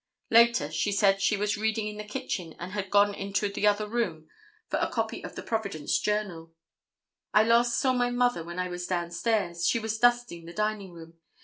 Later, she said she was reading in the kitchen and had gone into the other room for a copy of the Providence Journal. "I last saw my mother when I was down stairs. She was dusting the dining room.